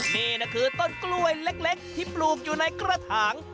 นี่นะคือต้นกล้วยเล็กที่ปลูกอยู่ในกระถาง